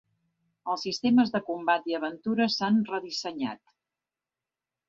Els sistemes de combat i aventura s'han redissenyat.